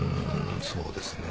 そうですね。